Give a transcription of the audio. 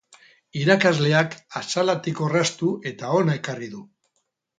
Irakasleak axaletik orraztu eta hona ekarri du.